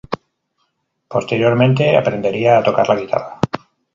Posteriormente aprendería a tocar la guitarra.